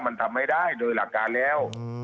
มันทำไม่ได้โดยหลักการแล้ว